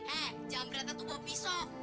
eh jambretnya tuh kopi sok